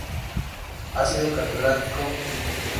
Ha sido catedrático int.